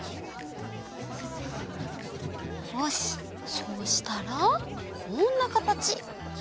そうしたらこんなかたち。